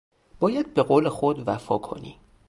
باید به قول خود وفا کنی !